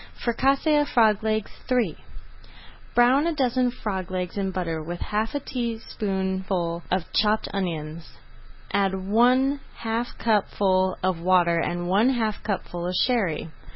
FRICASSÉE OF FROG LEGS III Brown a dozen frog legs in butter with half a teaspoonful of chopped onions. Add one half cupful of water and one half cupful of Sherry.